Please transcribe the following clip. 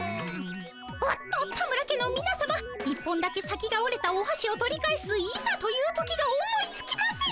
あっと田村家のみなさま一本だけ先がおれたおはしを取り返す「いざという時」が思いつきません。